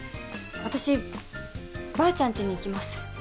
私ばあちゃんちに行きます